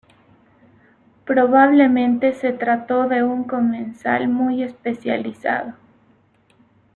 Probablemente se trató de un comensal muy especializado.